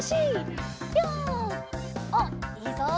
おっいいぞ。